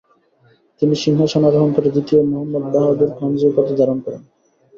তিনি সিংহাসনে আরোহণ করে দ্বিতীয় মহম্মদ বাহাদুর খানজী উপাধি ধারণ করেন।